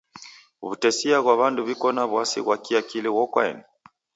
W'utesia ghwa w'andu w'iko na w'asi ghwa kiakili ghokwaeni.